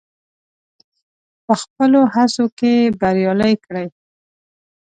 په خپلو هڅو کې بريالی کړي.